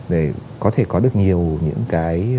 để có thể có được nhiều những cái